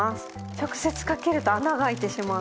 直接かけると穴が開いてしまうので。